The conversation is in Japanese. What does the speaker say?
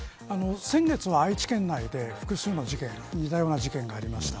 先月は愛知県内で複数の事件似たような事件がありました。